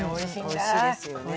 おいしいですよね。